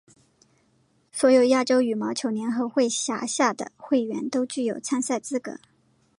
所有亚洲羽毛球联合会辖下的会员都具有参赛资格。